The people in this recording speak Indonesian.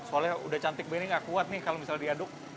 soalnya udah cantik beni gak kuat nih kalau misalnya diaduk